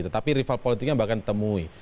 tetapi rival politiknya bahkan ditemui